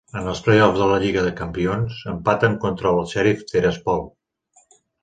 En els play-off de la Lliga de Campions, empaten contra el Sheriff Tiraspol.